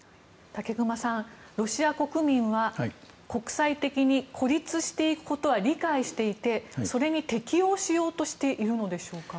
武隈さんロシア国民は国際的に孤立していくことは理解していてそれに適応しようとしているのでしょうか。